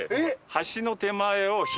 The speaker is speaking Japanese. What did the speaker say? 橋の手前を左。